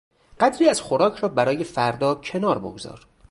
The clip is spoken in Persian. قدری از خوراک را برای فردا کنار بگذار.